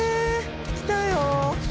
来たよ。